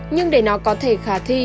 nhưng để nó có thể khả thi